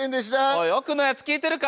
おい、奥のやつ聞いてるか？